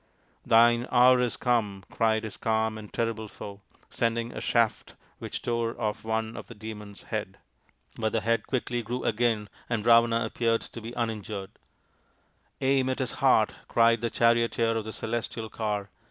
Thine hour has come," cried his calm and 5 z THE INDIAN STORY BOOK terrible foe, sending a shaft which tore off one of the Demon's heads. But the head quickly grew again and Ravana appeared to be uninjured. " Aim at his heart," cried the charioteer of the celestial car.